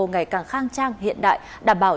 ngày càng khang trang hiện đại đảm bảo